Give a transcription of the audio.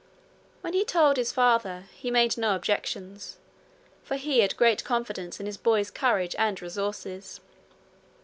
When he told his father, he made no objection, for he had great confidence in his boy's courage and resources.